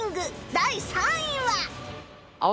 第３位は？